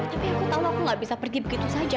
tapi aku tahu aku gak bisa pergi begitu saja